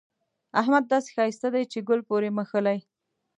احمد داسې ښايسته دی چې ګل پورې مښلي.